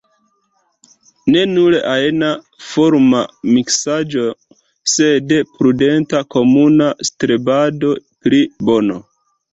Ne nur ajna-forma miksaĵo, sed prudenta komuna strebado pri bono.